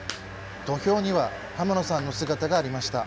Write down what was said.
土俵には濱野さんの姿がありました。